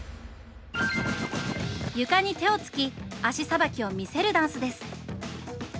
床に手をつき足さばきを見せるダンスです。